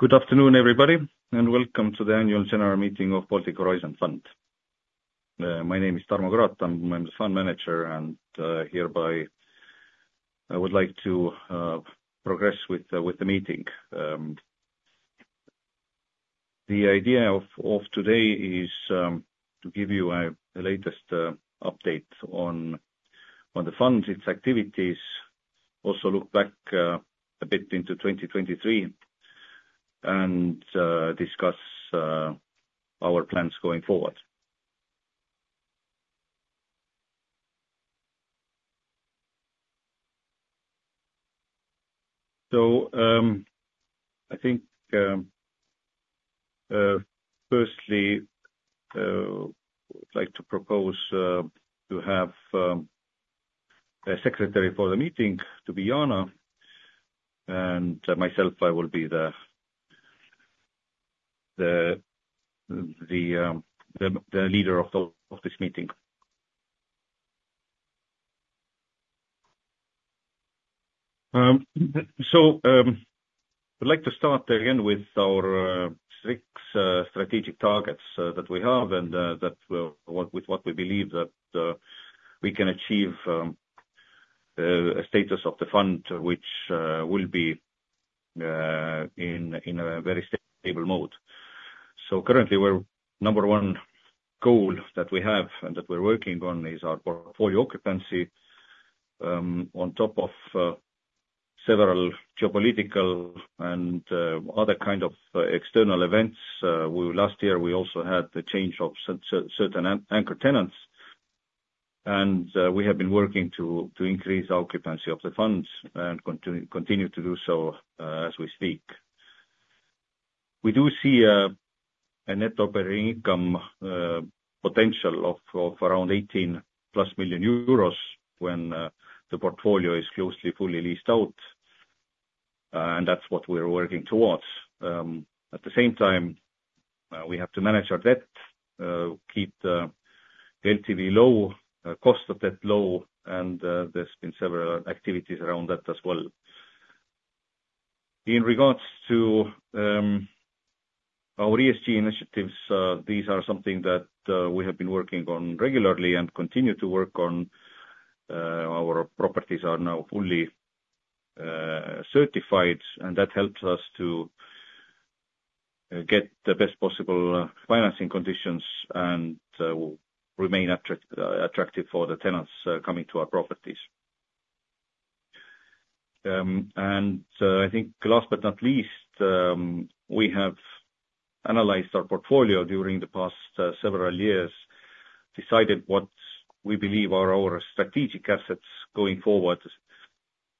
Good afternoon, everybody, and welcome to the annual general meeting of Baltic Horizon Fund. My name is Tarmo Karotam. I'm the Fund Manager, and hereby I would like to progress with the meeting. The idea of today is to give you the latest update on the fund, its activities, also look back a bit into 2023, and discuss our plans going forward. So, I think firstly, I'd like to propose to have a Secretary for the meeting to be Jana, and myself, I will be the leader of this meeting. So, I'd like to start again with our six strategic targets that we have and with what we believe that we can achieve, a status of the fund, which will be in a very stable mode. So currently, we're number one goal that we have and that we're working on is our portfolio occupancy. On top of several geopolitical and other kind of external events, we last year also had the change of certain anchor tenants, and we have been working to increase occupancy of the funds and continue to do so as we speak. We do see a net operating income potential of around 18+ million euros when the portfolio is fully leased out, and that's what we're working towards. At the same time, we have to manage our debt, keep the LTV low, cost of debt low, and there's been several activities around that as well. In regards to our ESG initiatives, these are something that we have been working on regularly and continue to work on. Our properties are now fully certified, and that helps us to get the best possible financing conditions and remain attractive for the tenants coming to our properties. I think last but not least, we have analyzed our portfolio during the past several years, decided what we believe are our strategic assets going forward.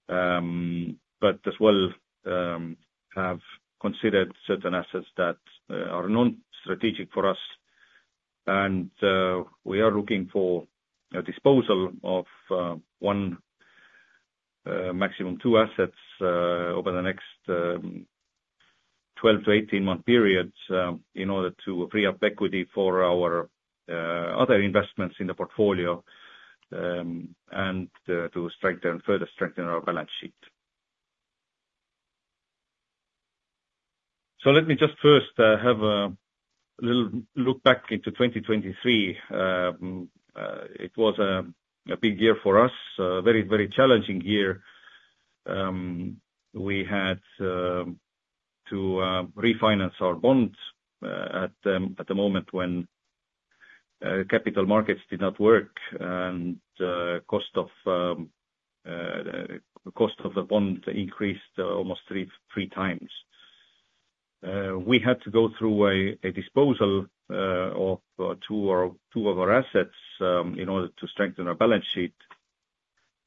But as well, have considered certain assets that are non-strategic for us, and we are looking for a disposal of one, maximum two assets over the next 12-18-month periods in order to free up equity for our other investments in the portfolio, and to strengthen, further strengthen our balance sheet. So let me just first have a little look back into 2023. It was a big year for us, a very, very challenging year. We had to refinance our bonds at the moment when capital markets did not work, and the cost of the bond increased almost three times. We had to go through a disposal of 2 of our assets in order to strengthen our balance sheet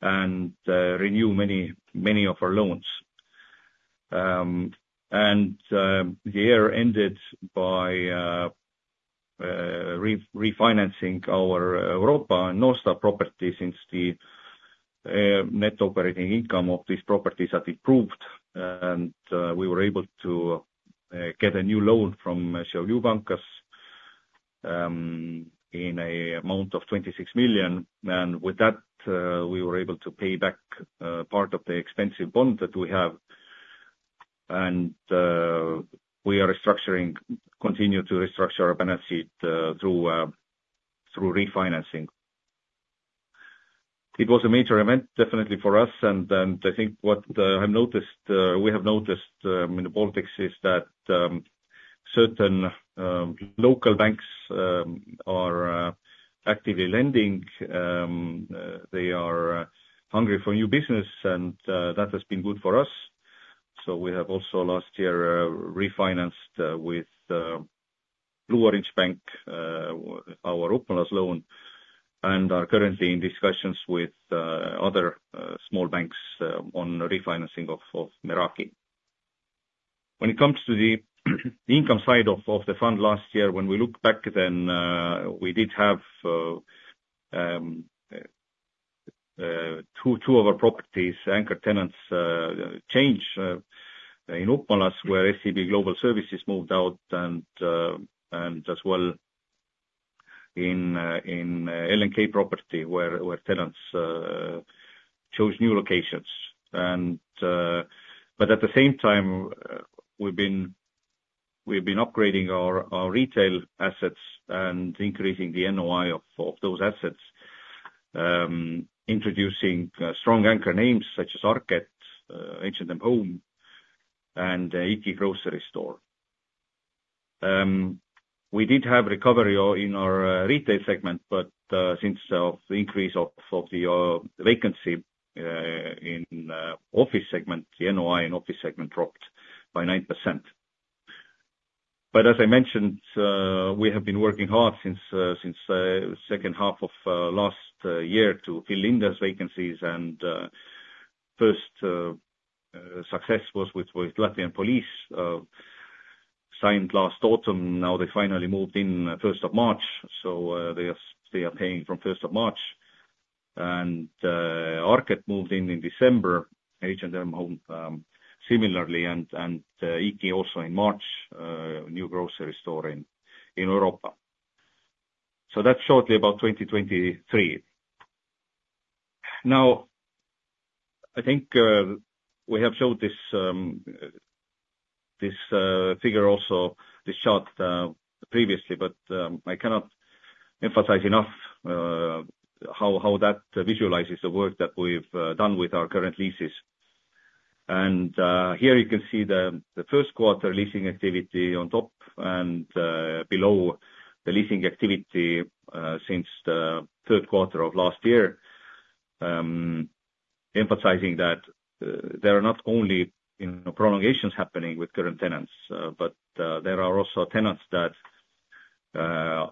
and renew many of our loans. The year ended by refinancing our Europa and North Star properties since the net operating income of these properties had improved, and we were able to get a new loan from Swedbank in an amount of 26 million. And with that, we were able to pay back part of the expensive bond that we have, and we are restructuring, continue to restructure our balance sheet through refinancing. It was a major event, definitely for us, and I think what I've noticed, we have noticed in the Baltics, is that certain local banks are actively lending. They are hungry for new business, and that has been good for us. So we have also last year refinanced with Blue Orange Bank our Upmalas loan, and are currently in discussions with other small banks on refinancing of Meraki. When it comes to the income side of the fund last year, when we look back then, we did have two of our properties' anchor tenants change in Upmalas Biroji, where SEB Global Services moved out, and as well in LNK Centrs where tenants chose new locations. But at the same time, we've been upgrading our retail assets and increasing the NOI of those assets, introducing strong anchor names such as ARKET, H&M Home, and IKI Grocery Store. We did have recovery also in our retail segment, but since the increase of the vacancy in office segment, the NOI in office segment dropped by 9%. But as I mentioned, we have been working hard since second half of last year to fill in those vacancies and first success was with Latvian police, signed last autumn. Now they finally moved in first of March, so they are paying from first of March. And ARKET moved in in December, H&M Home, similarly, and IKI also in March, new grocery store in Europa. So that's shortly about 2023. Now, I think, we have showed this figure also, this chart previously, but I cannot emphasize enough how that visualizes the work that we've done with our current leases. And here you can see the first quarter leasing activity on top and below the leasing activity since the third quarter of last year, emphasizing that there are not only, you know, prolongations happening with current tenants, but there are also tenants that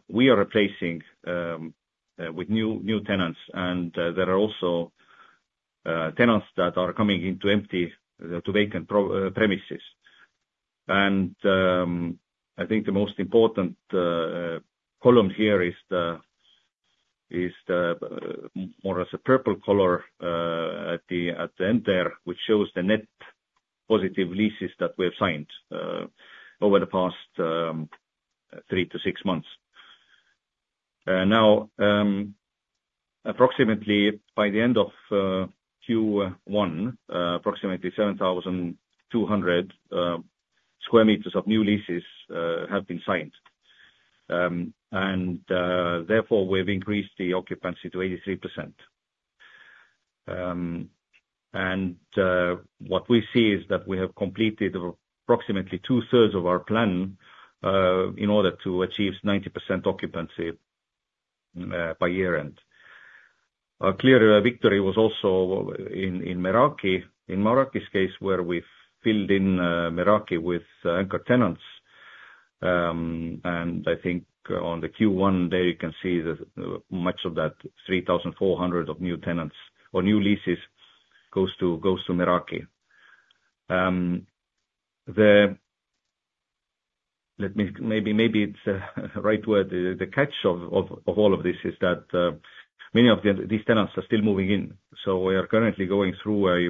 we are replacing with new tenants. And there are also tenants that are coming into empty to vacant premises. And I think the most important column here is the more or less a purple color at the end there, which shows the net positive leases that we have signed over the past 3-6 months. Now, approximately by the end of Q1, approximately 7,200 square meters of new leases have been signed. Therefore, we've increased the occupancy to 83%. What we see is that we have completed approximately two-thirds of our plan in order to achieve 90% occupancy by year-end. A clear victory was also in Meraki. In Meraki's case, where we filled in Meraki with anchor tenants, and I think on the Q1 there, you can see that much of that 3,400 of new tenants or new leases goes to, goes to Meraki. Let me, maybe, maybe it's a right word, the catch of all of this is that many of these tenants are still moving in. So we are currently going through a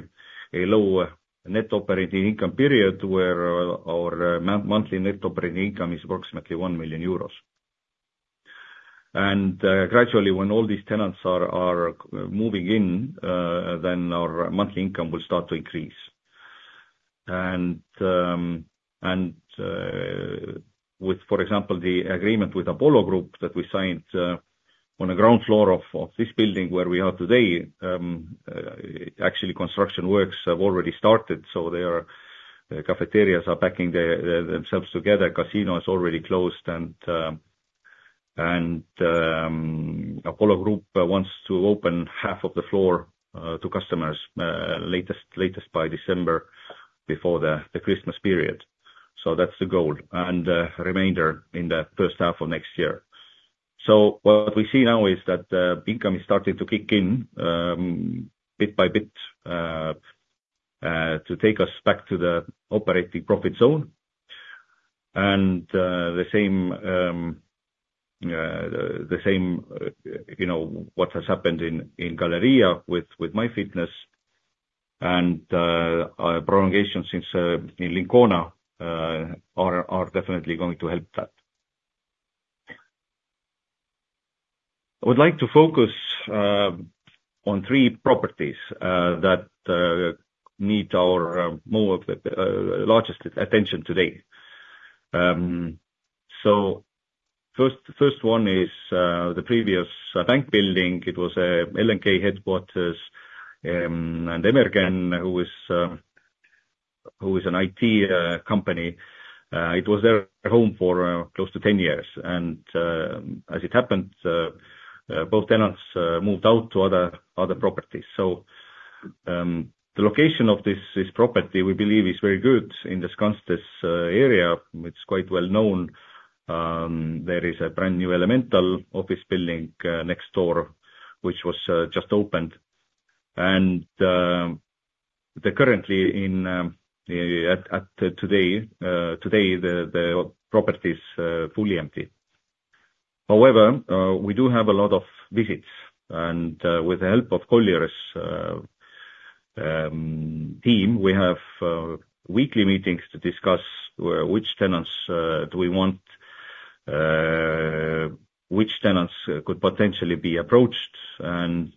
low net operating income period, where our monthly net operating income is approximately 1 million euros. And gradually, when all these tenants are moving in, then our monthly income will start to increase. And with, for example, the agreement with Apollo Group that we signed on the ground floor of this building where we are today, actually, construction works have already started, so their cafeterias are packing themselves together. Casino is already closed, and Apollo Group wants to open half of the floor to customers latest by December, before the Christmas period. So that's the goal, and remainder in the first half of next year. So what we see now is that income is starting to kick in bit by bit to take us back to the operating profit zone. And the same you know what has happened in Galerija with MyFitness and prolongation since in Lincona are definitely going to help that. I would like to focus on three properties that need our more of the largest attention today. So first one is the previous bank building. It was a LNK headquarters and Emergn who is an IT company. It was their home for close to 10 years. And as it happened both tenants moved out to other properties. So, the location of this property, we believe, is very good in the Skanste area. It's quite well known. There is a brand-new Elemental office building next door, which was just opened. It's currently fully empty as of today. However, we do have a lot of visits, and with the help of the Colliers team, we have weekly meetings to discuss which tenants do we want, which tenants could potentially be approached, and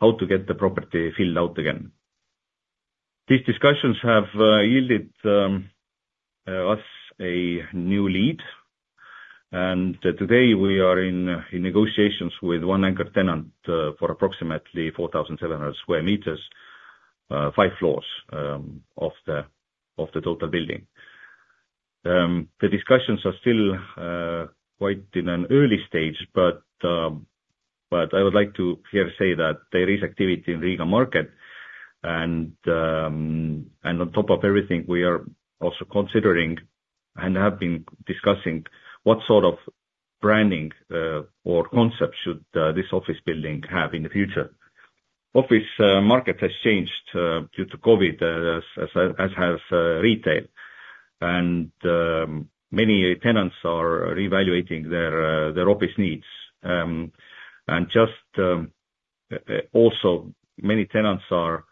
how to get the property filled out again. These discussions have yielded us a new lead, and today we are in negotiations with one anchor tenant for approximately 4,700 sq m, 5 floors of the total building. The discussions are still quite in an early stage, but I would like to say here that there is activity in the Riga market, and on top of everything, we are also considering and have been discussing what sort of branding or concept should this office building have in the future. The office market has changed due to COVID, as has retail, and many tenants are reevaluating their office needs. And just also, many tenants are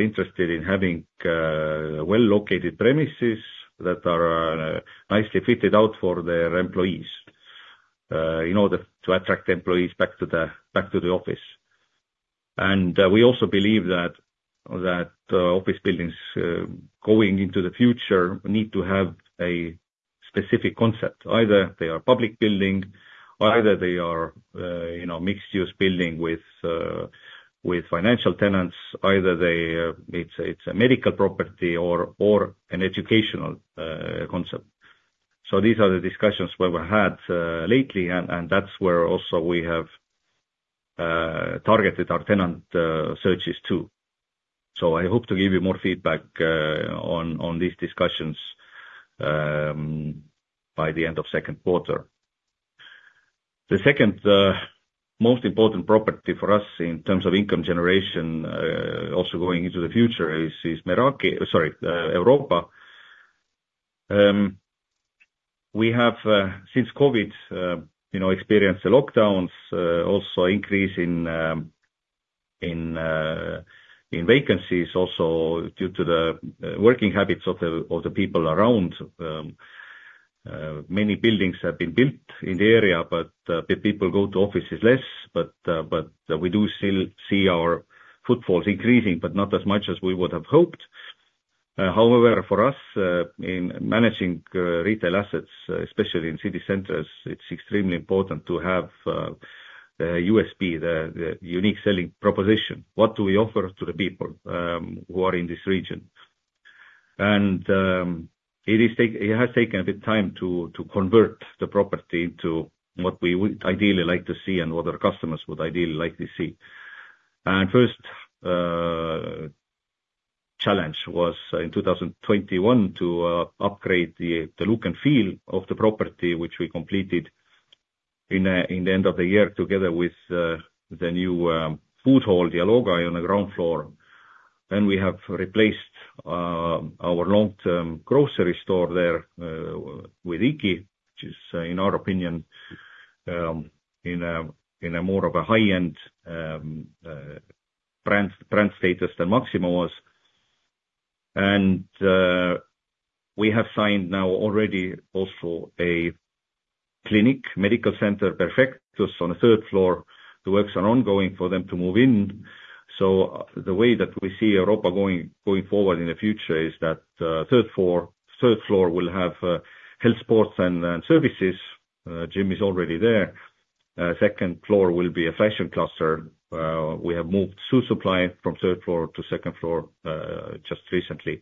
interested in having well-located premises that are nicely fitted out for their employees in order to attract employees back to the office. And we also believe that office buildings going into the future need to have a specific concept. Either they are public building, or either they are, you know, mixed-use building with, with financial tenants, either they, it's, it's a medical property or, or an educational, concept. So these are the discussions we were had, lately, and, and that's where also we have, targeted our tenant, searches, too. So I hope to give you more feedback, on, on these discussions, by the end of second quarter. The second, most important property for us in terms of income generation, also going into the future, is Meraki. Sorry, Europa. We have, since COVID, you know, experienced the lockdowns, also increase in, in, in vacancies, also due to the, working habits of the, of the people around. Many buildings have been built in the area, but the people go to offices less. But we do still see our footfalls increasing, but not as much as we would have hoped. However, for us, in managing retail assets, especially in city centers, it's extremely important to have a USP, the unique selling proposition. What do we offer to the people who are in this region? And it has taken a bit time to convert the property to what we would ideally like to see and what our customers would ideally like to see. First challenge was in 2021 to upgrade the look and feel of the property, which we completed in the end of the year, together with the new food hall, Dialogai, on the ground floor. Then we have replaced our long-term grocery store there with IKI, which is in our opinion in a more of a high-end brand status than Maxima was. And we have signed now already also a clinic, medical center, Perfectus, just on the third floor. The works are ongoing for them to move in. So the way that we see Europa going forward in the future is that third floor will have health sports and services. Gym is already there. Second floor will be a fashion cluster. We have moved Suitsupply from third floor to second floor just recently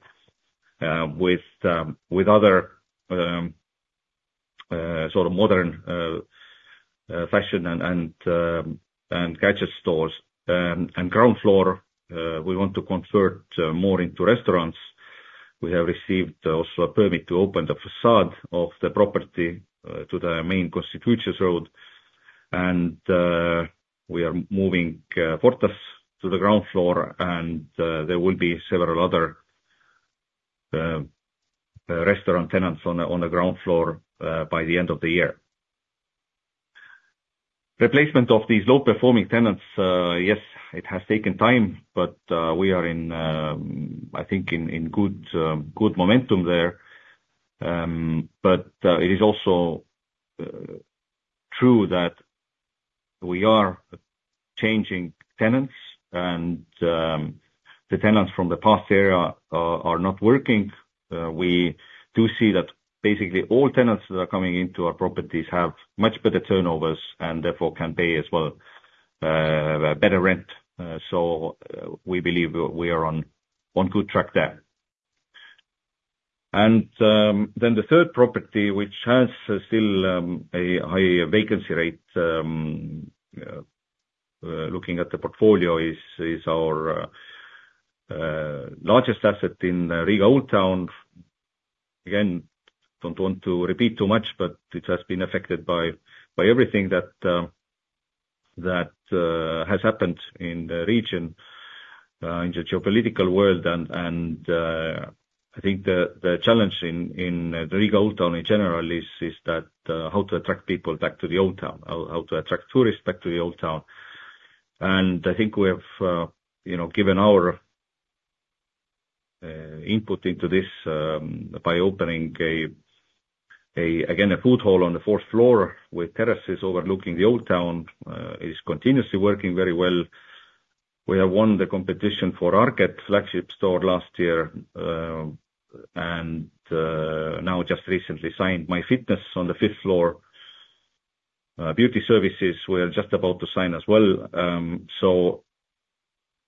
with other sort of modern fashion and gadget stores. And ground floor we want to convert more into restaurants. We have received also a permit to open the facade of the property to the main Konstitucijos Avenue, and we are moving Fortas to the ground floor, and there will be several other restaurant tenants on the ground floor by the end of the year. Replacement of these low-performing tenants, yes, it has taken time, but we are in, I think, in good momentum there. But it is also true that we are changing tenants and the tenants from the past era are not working. We do see that basically all tenants that are coming into our properties have much better turnovers and therefore can pay as well better rent. So we believe we are on one good track there. Then the third property, which has still a high vacancy rate, looking at the portfolio, is our largest asset in Riga Old Town. Again, don't want to repeat too much, but it has been affected by everything that has happened in the region in the geopolitical world, and... I think the challenge in the Riga Old Town in general is that how to attract people back to the Old Town, how to attract tourists back to the Old Town. I think we have you know given our input into this by opening a food hall again on the fourth floor with terraces overlooking the Old Town is continuously working very well. We have won the competition for our flagship store last year and now just recently signed MyFitness on the fifth floor. Beauty services we are just about to sign as well. So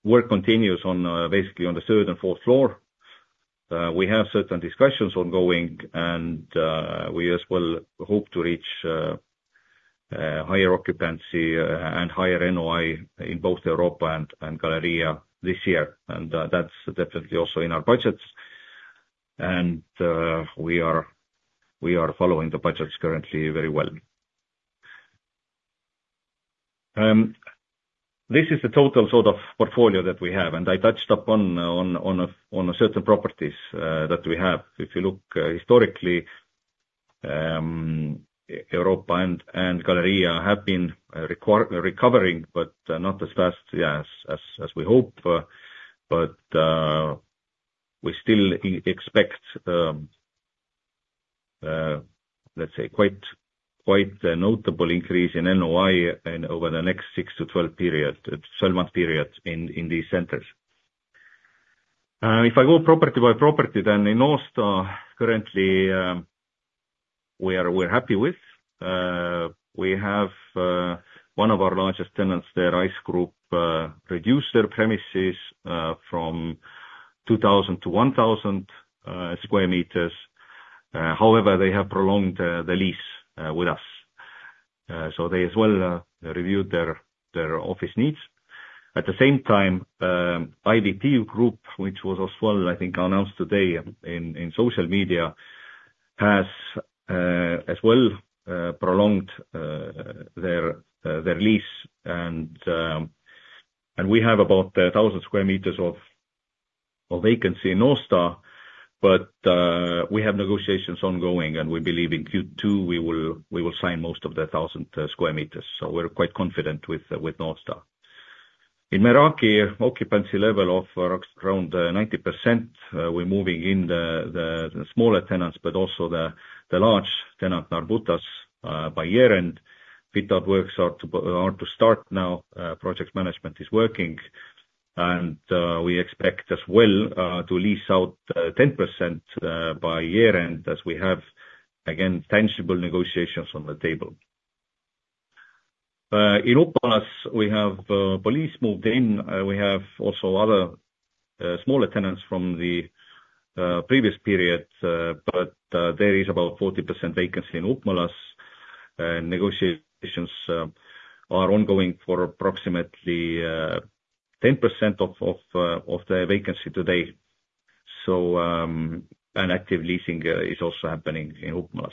work continues on basically on the third and fourth floor. We have certain discussions ongoing and we as well hope to reach higher occupancy and higher NOI in both Europa and Galerija this year. That's definitely also in our budgets. We are following the budgets currently very well. This is the total sort of portfolio that we have, and I touched upon certain properties that we have. If you look historically, Europa and Galerija have been recovering, but not as fast, yeah, as we hope. But we still expect, let's say, quite a notable increase in NOI over the next 6-12-month period in these centers. If I go property by property, then in North Star, currently, we are happy with. We have one of our largest tenants there, ICE group, reduce their premises from 2,000 to 1,000 square meters. However, they have prolonged the lease with us. So they as well reviewed their office needs. At the same time, IDT Group, which was as well, I think, announced today in social media, has as well prolonged their lease. And we have about 1,000 square meters of vacancy in North Star, but we have negotiations ongoing, and we believe in Q2, we will sign most of the 1,000 square meters. So we're quite confident with North Star. In Meraki, occupancy level of around 90%, we're moving in the smaller tenants, but also the large tenant, Narbutas, by year-end. Fit-out works are to start now. Project management is working, and we expect as well to lease out 10% by year-end, as we have, again, tangible negotiations on the table. In Upmalas Biroji, we have police moved in. We have also other smaller tenants from the previous period, but there is about 40% vacancy in Upmalas, and negotiations are ongoing for approximately 10% of the vacancy today. So, an active leasing is also happening in Upmalas.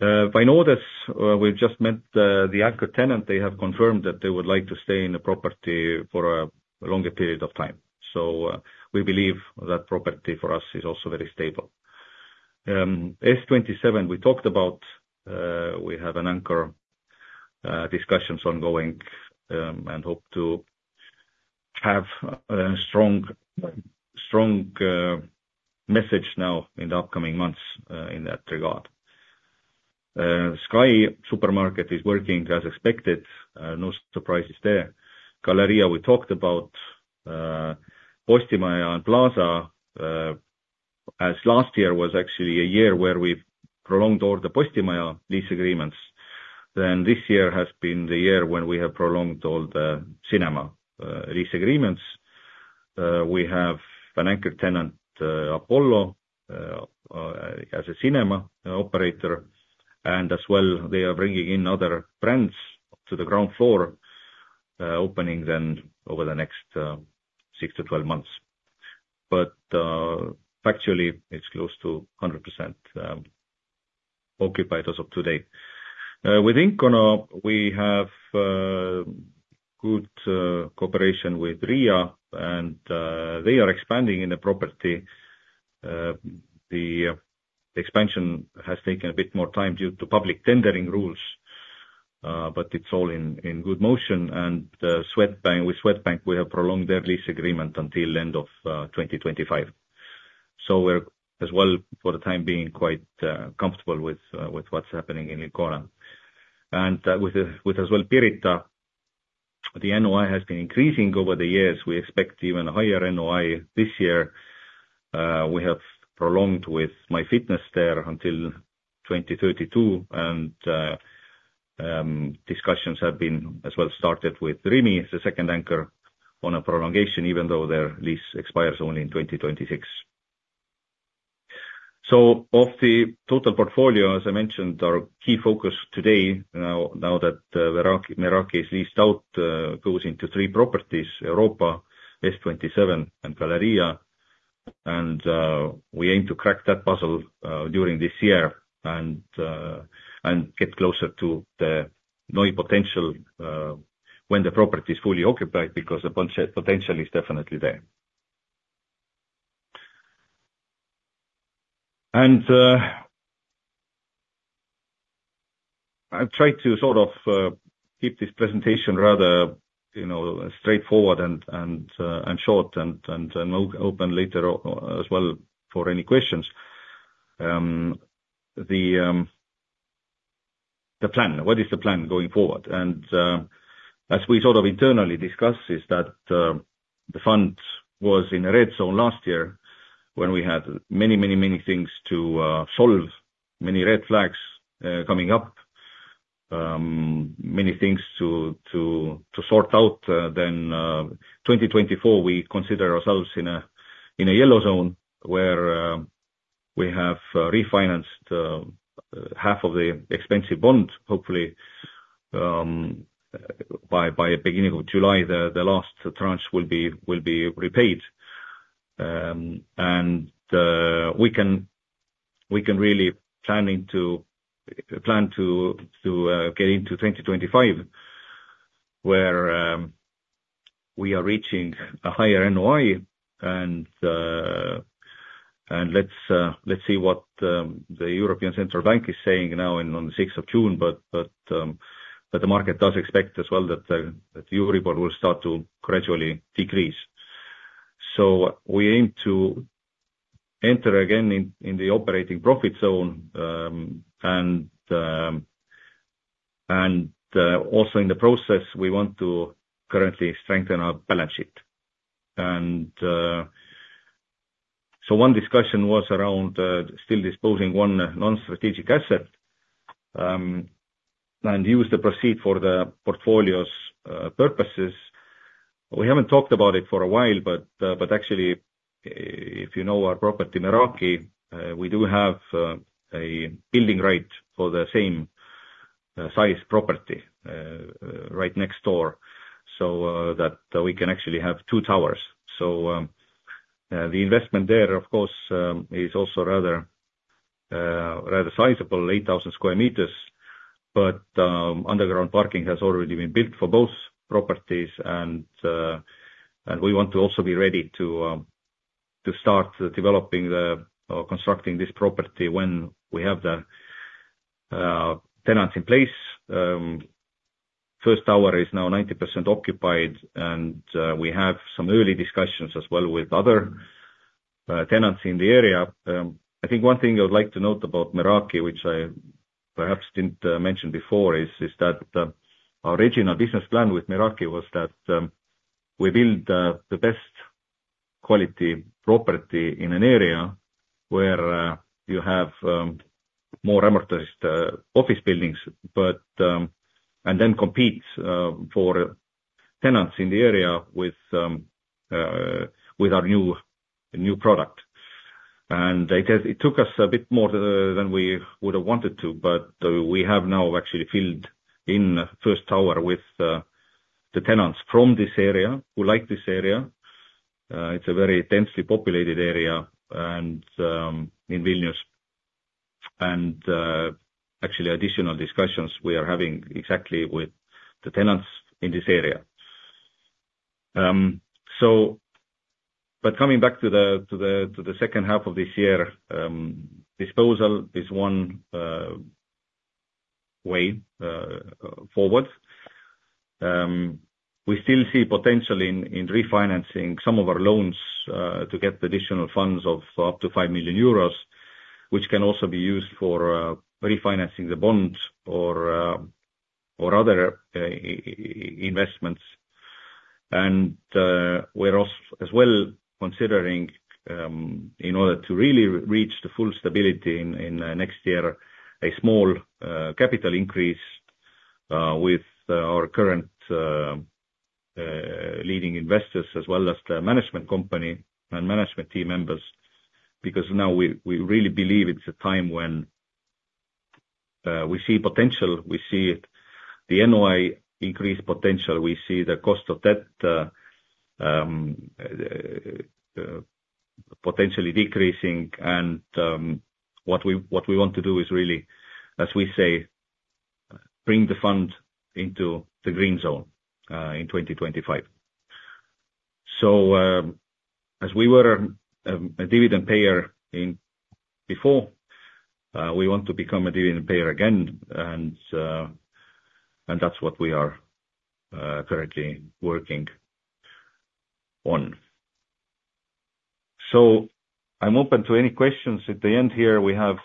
Vainodes, we've just met the anchor tenant. They have confirmed that they would like to stay in the property for a longer period of time. So, we believe that property for us is also very stable. S27, we talked about, we have an anchor, discussions ongoing, and hope to have a strong message now in the upcoming months, in that regard. SKY Supermarket is working as expected, no surprises there. Galleria, we talked about, Postimaja and Plaza, as last year was actually a year where we prolonged all the Postimaja lease agreements, then this year has been the year when we have prolonged all the cinema lease agreements. We have an anchor tenant, Apollo, as a cinema operator, and as well, they are bringing in other brands to the ground floor, opening then over the next 6-12 months. But factually, it's close to 100% occupied as of today. Within Lincona, we have good cooperation with RIA, and they are expanding in the property. The expansion has taken a bit more time due to public tendering rules, but it's all in good motion. And Swedbank—with Swedbank, we have prolonged their lease agreement until end of 2025. So we're as well, for the time being, quite comfortable with what's happening in Lincona. And with as well Pirita, the NOI has been increasing over the years. We expect even higher NOI this year. We have prolonged with MyFitness there until 2032, and discussions have been as well started with Rimi, the second anchor, on a prolongation, even though their lease expires only in 2026. So of the total portfolio, as I mentioned, our key focus today, now that Meraki is leased out, goes into three properties, Europa, S27, and Galerija. And we aim to crack that puzzle during this year and get closer to the NOI potential when the property is fully occupied, because the budget potential is definitely there. And I've tried to sort of keep this presentation rather, you know, straightforward and short, and open later on as well for any questions. The plan, what is the plan going forward? As we sort of internally discussed is that, the fund was in a red zone last year, when we had many, many, many things to solve, many red flags coming up, many things to sort out. Then, 2024, we consider ourselves in a yellow zone, where we have refinanced half of the expensive bond, hopefully, by beginning of July, the last tranche will be repaid. We plan to get into 2025, where we are reaching a higher NOI and let's see what the European Central Bank is saying now on the sixth of June, but the market does expect as well that the Euribor will start to gradually decrease. So we aim to enter again in the operating profit zone, and also in the process, we want to currently strengthen our balance sheet. And so one discussion was around still disposing one non-strategic asset and use the proceeds for the portfolio's purposes. We haven't talked about it for a while, but actually, if you know our property, Meraki, we do have a building right for the same size property right next door. So, that we can actually have two towers. So, the investment there, of course, is also rather sizable, 8,000 square meters, but underground parking has already been built for both properties, and we want to also be ready to start developing the constructing this property when we have the tenants in place. First tower is now 90% occupied, and we have some early discussions as well with other tenants in the area. I think one thing I would like to note about Meraki, which I perhaps didn't mention before, is that our original business plan with Meraki was that we build the best quality property in an area where you have more amortized office buildings, but and then compete for tenants in the area with our new product. It took us a bit more than we would have wanted to, but we have now actually filled the first tower with the tenants from this area, who like this area. It's a very densely populated area, and in Vilnius, and actually, additional discussions we are having exactly with the tenants in this area. So but coming back to the second half of this year, disposal is one way forward. We still see potential in refinancing some of our loans to get additional funds of up to 5 million euros, which can also be used for refinancing the bonds or other investments. And, we're as well considering, in order to really reach the full stability in next year, a small capital increase with our current leading investors, as well as the management company and management team members. Because now we really believe it's a time when we see potential, we see the NOI increase potential, we see the cost of debt potentially decreasing. What we, what we want to do is really, as we say, bring the fund into the green zone, in 2025. So, as we were, a dividend payer in before, we want to become a dividend payer again, and, and that's what we are, currently working on. So I'm open to any questions. At the end here, we have,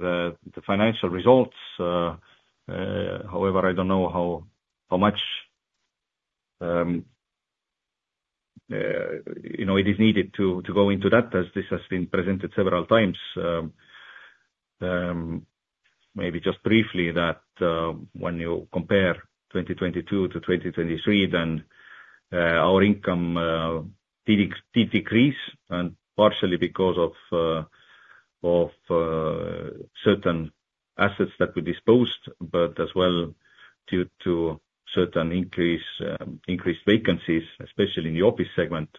the, the financial results. However, I don't know how, how much, you know, it is needed to, to go into that, as this has been presented several times. Maybe just briefly, that when you compare 2022-2023, then our income did, did decrease, and partially because of, of certain assets that we disposed, but as well, due to certain increase, increased vacancies, especially in the office segment.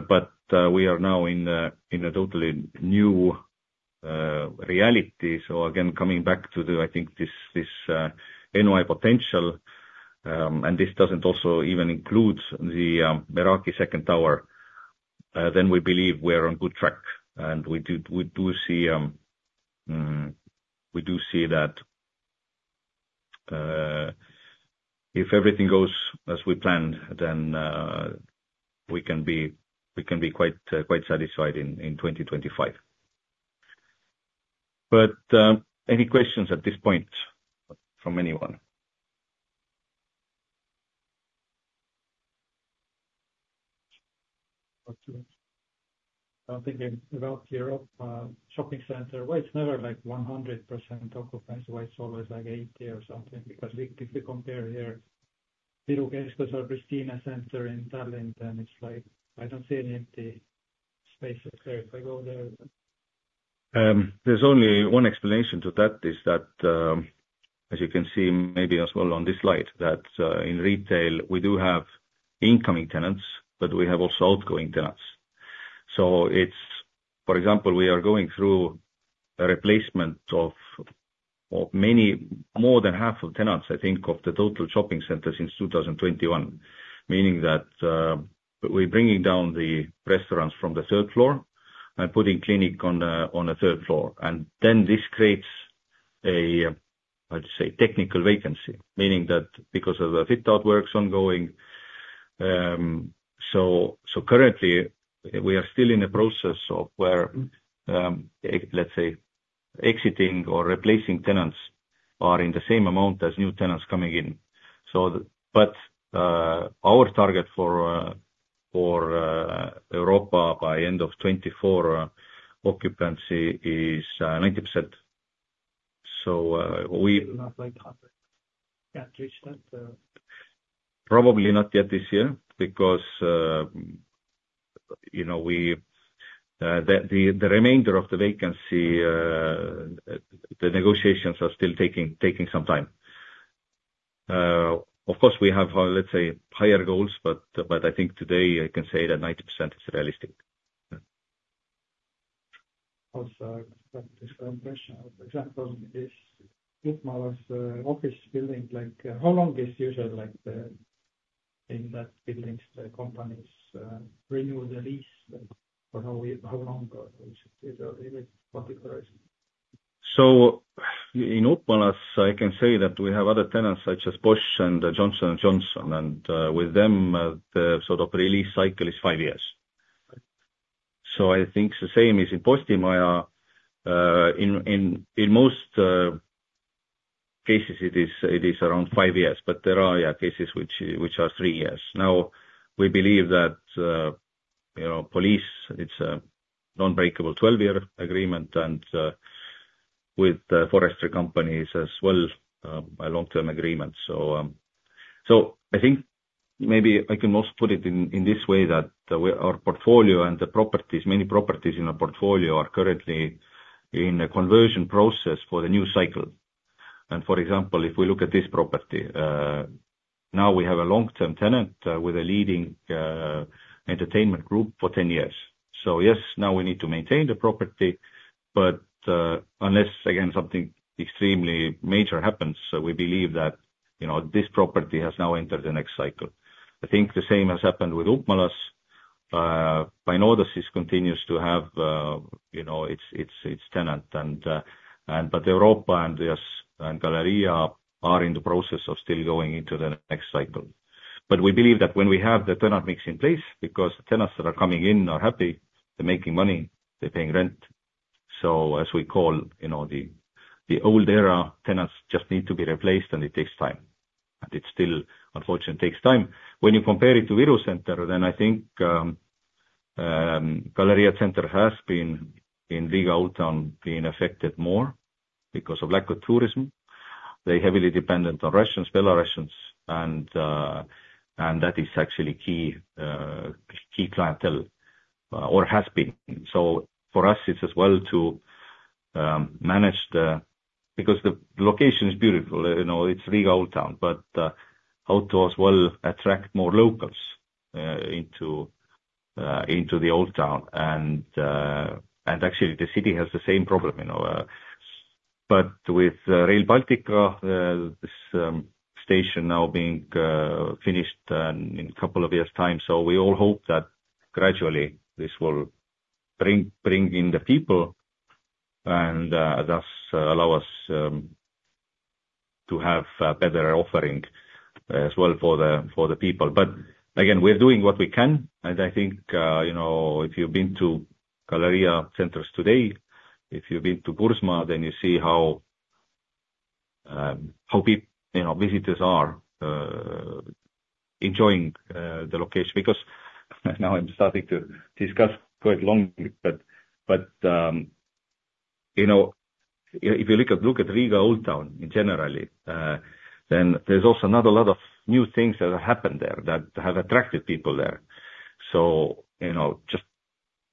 But we are now in a, in a totally new reality. So again, coming back to the, I think this, this NOI potential, and this doesn't also even include the Meraki second tower, then we believe we are on good track. And we do, we do see, we do see that if everything goes as we planned, then we can be, we can be quite, quite satisfied in 2025. But any questions at this point from anyone? I'm thinking about Europa Shopping Centre. Why it's never like 100% occupancy, why it's always like 80% or something? Because if we compare here, Pirita Shopping Centre in Tallinn, and it's like, I don't see any empty spaces there if I go there. There's only one explanation to that, is that, as you can see, maybe as well on this slide, that, in retail, we do have incoming tenants, but we have also outgoing tenants. So it's, for example, we are going through a replacement of many more than half of tenants, I think, of the total shopping center since 2021. Meaning that, we're bringing down the restaurants from the third floor and putting clinic on the third floor. And then this creates a, let's say, technical vacancy, meaning that because of the fit-out works ongoing, so currently we are still in a process of where, let's say, exiting or replacing tenants are in the same amount as new tenants coming in. So... But our target for Europa by end of 2024 occupancy is 90%. So we- Not like 100, can't reach that? Probably not yet this year, because, you know, the remainder of the vacancy, the negotiations are still taking some time. Of course, we have, let's say, higher goals, but I think today I can say that 90% is realistic. Also, just confirmation, for example, this office building, like, how long is usual, like, in that buildings, the companies, renew the lease, or how, how long are these are in it? What the price? So in Upmalas, I can say that we have other tenants such as Bosch and Johnson & Johnson, and with them, the sort of lease cycle is five years. So I think the same is in Postimaja. In most cases, it is around five years, but there are cases which are three years. Now, we believe that, you know, police, it's a non-breakable 12-year agreement and with the forestry companies as well, a long-term agreement. So I think maybe I can also put it in this way, that our portfolio and the properties, many properties in our portfolio are currently in a conversion process for the new cycle. And for example, if we look at this property, now we have a long-term tenant with a leading entertainment group for 10 years. So yes, now we need to maintain the property, but unless, again, something extremely major happens, so we believe that, you know, this property has now entered the next cycle. I think the same has happened with Upmalas. Vainodes 1 continues to have, you know, its tenant and but Europa and yes, and Galerija are in the process of still going into the next cycle. But we believe that when we have the tenant mix in place, because the tenants that are coming in are happy, they're making money, they're paying rent. So as we call, you know, the old era, tenants just need to be replaced, and it takes time, and it still unfortunately takes time. When you compare it to Viru Center, then I think, Galerija Centrs has been in Riga Old Town being affected more because of lack of tourism. They're heavily dependent on Russians, Belarusians, and that is actually key clientele, or has been. So for us, it's as well to manage, because the location is beautiful, you know, it's Riga Old Town, but how to as well attract more locals into the Old Town. And actually, the city has the same problem, you know, but with Rail Baltica, this station now being finished in a couple of years' time. So we all hope that gradually this will bring in the people and thus allow us to have a better offering as well for the people. But again, we're doing what we can, and I think, you know, if you've been to Galerija Centrs today, if you've been to BURZMA, then you see how, you know, visitors are enjoying the location. Because now I'm starting to discuss quite long, but, but, you know, if you look at, look at Riga Old Town in general, then there's also not a lot of new things that have happened there, that have attracted people there. So, you know,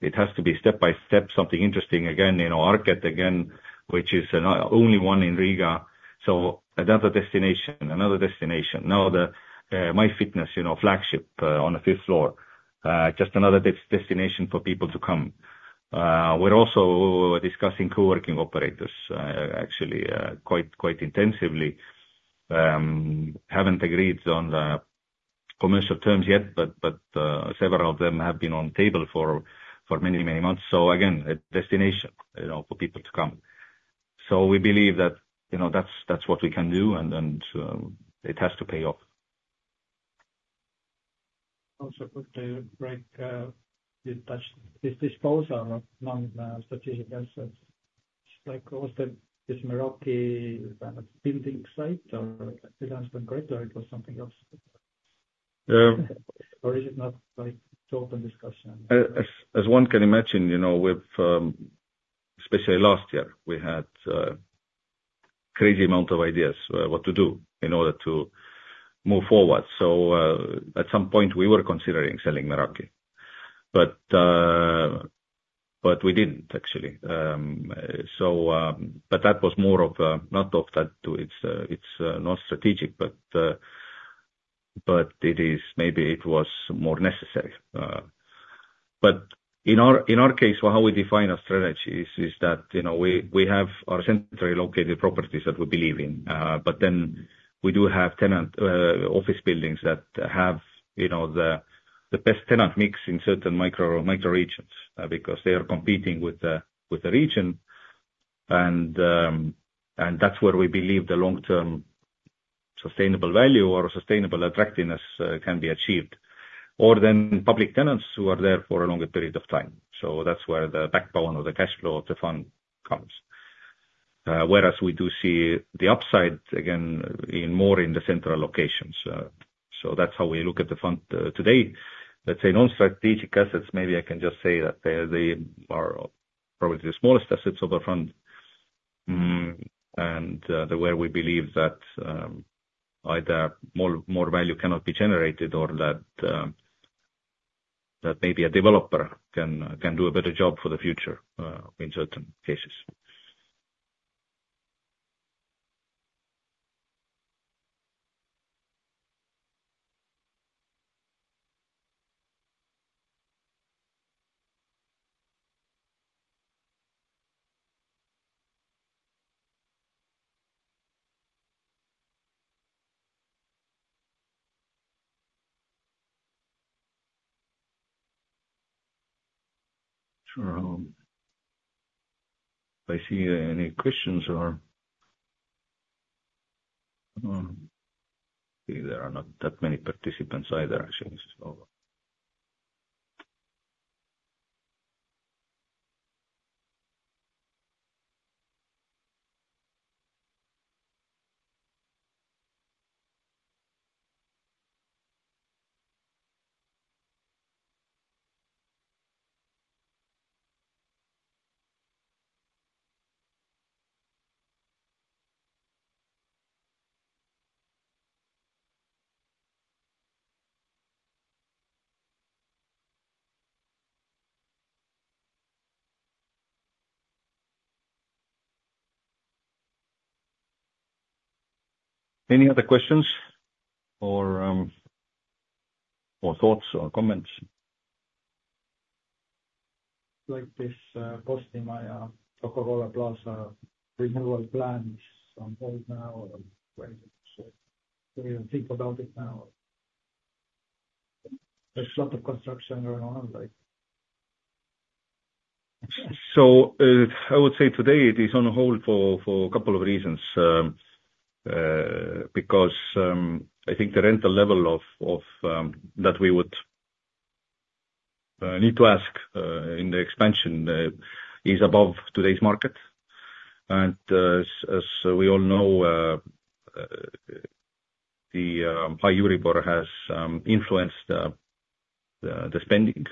it has to be step-by-step, something interesting. Again, you know, ARKET again, which is an only one in Riga, so another destination, another destination. Now the, MyFitness, you know, flagship, on the fifth floor, just another destination for people to come. We're also discussing coworking operators, actually, quite, quite intensively. Haven't agreed on the commercial terms yet, but, but, several of them have been on the table for, for many, many months. So again, a destination, you know, for people to come. So we believe that, you know, that's, that's what we can do, and then, it has to pay off. Also, put the break, you touched this disposal of non-strategic assets, like was the, this Meraki, building site or it was something else? Um- Or is it not, like, to open discussion? As one can imagine, you know, with especially last year, we had a crazy amount of ideas what to do in order to move forward. So, at some point, we were considering selling Meraki, but we didn't actually. But that was more of, not that it's not strategic, but it is, maybe it was more necessary. But in our case, so how we define our strategy is that, you know, we have our centrally located properties that we believe in. But then we do have tenant office buildings that have, you know, the best tenant mix in certain micro regions, because they are competing with the region. And that's where we believe the long-term sustainable value or sustainable attractiveness can be achieved, or then public tenants who are there for a longer period of time. So that's where the backbone or the cash flow of the fund comes. Whereas we do see the upside again in the central locations. So that's how we look at the fund today. Let's say, non-strategic assets, maybe I can just say that, they are probably the smallest assets of the fund. And the way we believe that, either more value cannot be generated or that maybe a developer can do a better job for the future in certain cases. So I see any questions or there are not that many participants either, I think so. Any other questions or, or thoughts or comments? Like this, postponing my Coca-Cola Plaza renewal plans on hold now, so we think about it now. There's a lot of construction around, like- So, I would say today it is on hold for a couple of reasons. Because I think the rental level of that we would need to ask in the expansion is above today's market. And as we all know, the high Euribor has influenced the spending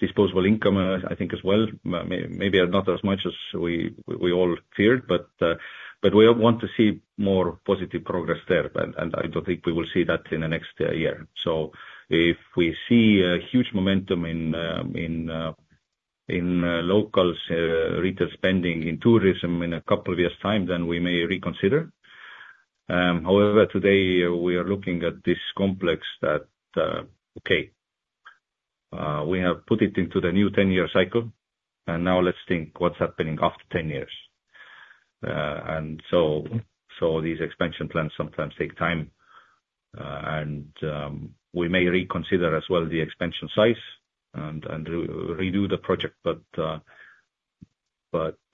disposable income I think as well. Maybe not as much as we all feared, but we want to see more positive progress there, and I don't think we will see that in the next year. So if we see a huge momentum in locals retail spending, in tourism in a couple of years' time, then we may reconsider. However, today, we are looking at this complex that we have put it into the new 10-year cycle, and now let's think what's happening after 10 years. These expansion plans sometimes take time, and we may reconsider as well the expansion size and redo the project. But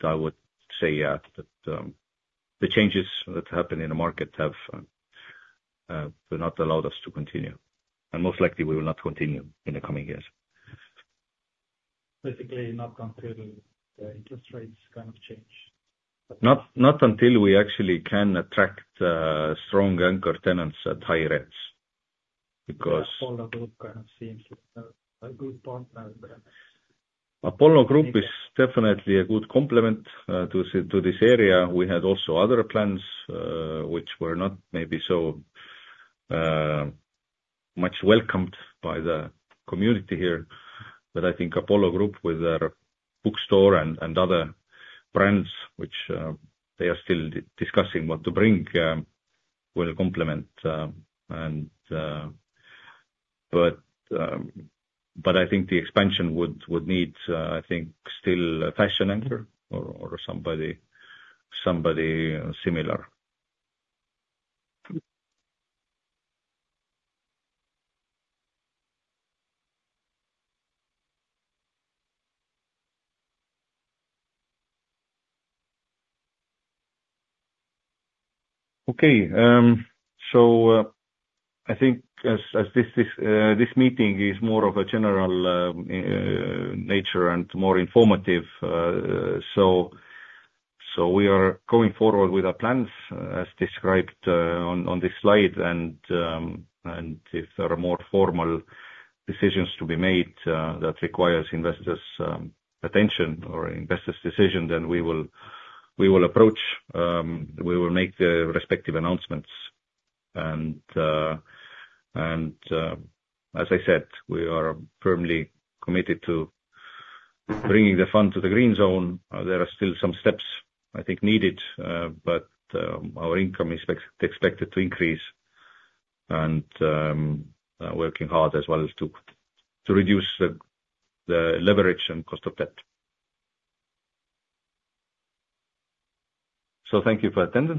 I would say, yeah, that the changes that happened in the market have do not allow us to continue, and most likely we will not continue in the coming years. Basically, not until the interest rates kind of change. Not until we actually can attract strong anchor tenants at high rates, because- Apollo Group kind of seems a good partner there. Apollo Group is definitely a good complement to this area. We had also other plans, which were not maybe so much welcomed by the community here. But I think Apollo Group, with their bookstore and other brands which they are still discussing what to bring, will complement, and. But I think the expansion would need, I think still a fashion anchor or somebody similar. Okay, so I think as this meeting is more of a general nature and more informative, so we are going forward with our plans, as described, on this slide. And if there are more formal decisions to be made that requires investors' attention or investors' decision, then we will approach and make the respective announcements. And as I said, we are firmly committed to bringing the fund to the green zone. There are still some steps, I think, needed, but our income is expected to increase, and working hard as well as to reduce the leverage and cost of debt. So thank you for attending.